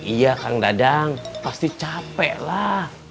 iya kang dadang pasti capek lah